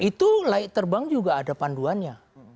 itu layak terbang juga ada panduannya